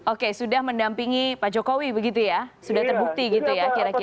oke sudah mendampingi pak jokowi begitu ya sudah terbukti gitu ya kira kira